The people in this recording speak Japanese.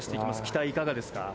機体いかがですか？